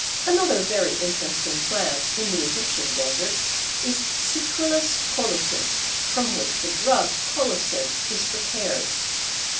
Another very interesting plant in the Egyptian Desert is Citrullus Colocynth, from which the drug colocynth is prepared.